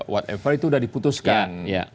whatever itu udah diputuskan